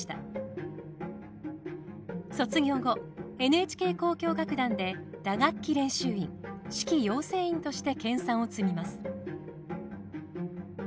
卒業後ＮＨＫ交響楽団で打楽器練習員指揮養成員として研さんを積みます。